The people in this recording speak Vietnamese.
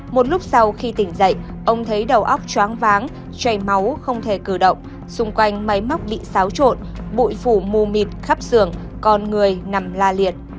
một lúc sau khi tỉnh dậy ông thấy đầu óc choáng váng chảy máu không thể cử động xung quanh máy móc bị xáo trộn bụi phủ mù mịt khắp sườn con người nằm la liệt